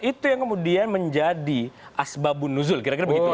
itu yang kemudian menjadi asbabun nuzul kira kira begitu